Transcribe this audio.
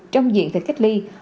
trong diện về cách ly tập trung